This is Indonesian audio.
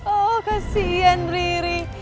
oh kasihan riri